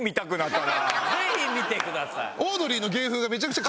ぜひ見てください。